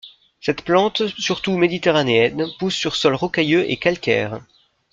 Cette plante surtout méditerranéenne pousse sur sol rocailleux et calcaire.